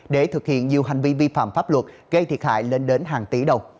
để thực hiện nhiều hành vi vi phạm pháp luật gây thiệt hại lên đến hàng tỷ đồng